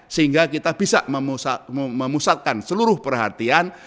sehingga kita bisa memusatkan seluruh perhatian